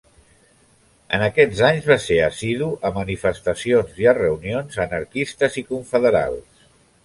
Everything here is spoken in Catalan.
En aquests anys va ser assidu en manifestacions i en reunions anarquistes i confederals.